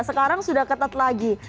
sekarang sudah ketat lagi